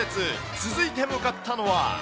続いて向かったのは。